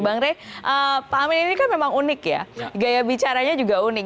bang rey pak amin ini kan memang unik ya gaya bicaranya juga unik